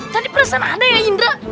tadi perasaan anda ya indra